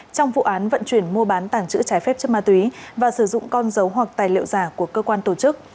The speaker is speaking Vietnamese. trong vụ án vận chuyển mua bán tảng chữ trái phép chất ma túy và sử dụng con dấu hoặc tài liệu giả của cơ quan tổ chức